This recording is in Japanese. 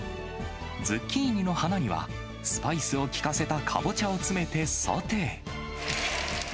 ズッキーニの花には、スパイスを利かせたカボチャを詰めてソテー。